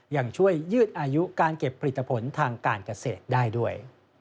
ยังช่วยยืดอายุการเก็บผลิตผลทางการเกษตรได้ด้วย